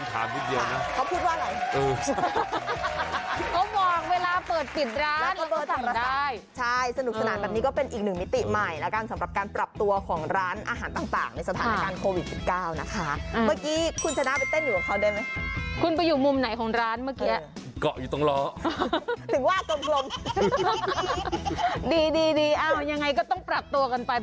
เขาบอกเวลาเปิดปิดร้านแล้วก็สั่งได้ใช่สนุกสนานแบบนี้ก็เป็นอีกหนึ่งมิติใหม่นะกันสำหรับการปรับตัวของร้านอาหารต่างในสถานการณ์โควิด๑๙นะคะอืมเมื่อกี้คุณชนะไปเต้นอยู่กับเขาได้ไหมคุณไปอยู่มุมไหนของร้านเมื่อกี้เออก็อยู่ตรงล้อถ